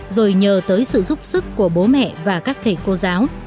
rồi nhờ tới sự giúp sức của bố mẹ và các thầy cô giáo